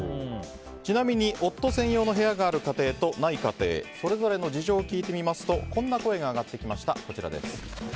ちなみに夫専用の部屋がある家庭とない家庭それぞれの事情を聞いてみるとこんな声が上がってきました。